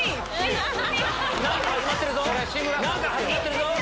何か始まってるぞ。